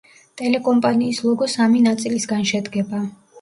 ტელეკომპანიის ლოგო სამი ნაწილისგან შედგება.